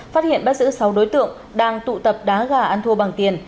phát hiện bắt giữ sáu đối tượng đang tụ tập đá gà ăn thua bằng tiền